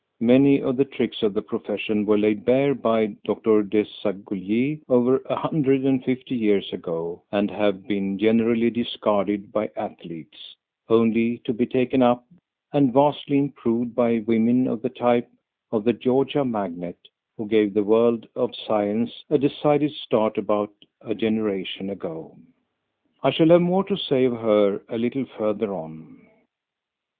Many of the tricks of the profession were laid bare by Dr. Desaguliers over a hundred and fifty years ago and have been generally discarded by athletes, only to be taken up and vastly improved by women of the type of The Georgia Magnet, who gave the world of science a decided start about a generation ago. I shall have more to say of her a little further on.